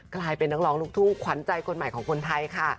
กลายเป็นนักร้องลูกทุ่งขวัญใจคนใหม่ของคนไทยค่ะ